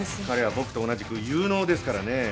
彼は僕と同じく有能ですからね。